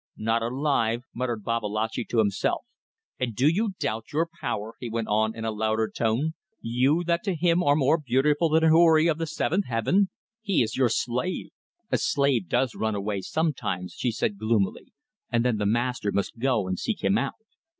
"Not alive!" muttered Babalatchi to himself. "And do you doubt your power," he went on in a louder tone "you that to him are more beautiful than an houri of the seventh Heaven? He is your slave." "A slave does run away sometimes," she said, gloomily, "and then the master must go and seek him out."